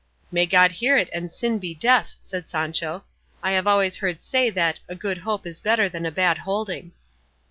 "May God hear it and sin be deaf," said Sancho; "I have always heard say that 'a good hope is better than a bad holding."